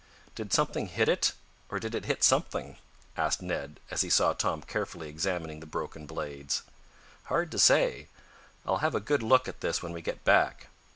"Did something hit it; or did it hit something?" asked Ned as he saw Tom carefully examining the broken blades. "Hard to say. I'll have a good look at this when we get back.